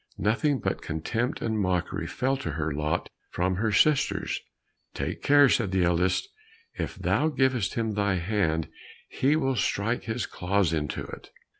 Nothing but contempt and mockery fell to her lot from her sisters. "Take care," said the eldest, "if thou givest him thy hand, he will strike his claws into it."